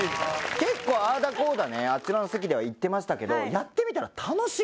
結構ああだこうだねあちらの席では言ってましたけどやってみたら楽しい！